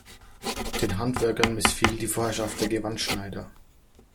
Den Handwerkern missfiel die Vorherrschaft der Gewandschneider.